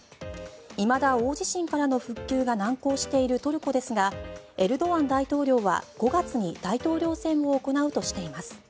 いまだ大地震からの復旧が難航しているトルコですがエルドアン大統領は５月に大統領選を行うとしています。